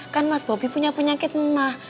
kan mas bobi punya penyakit emah